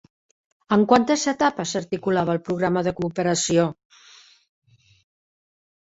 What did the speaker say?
En quantes etapes s'articulava el programa de cooperació?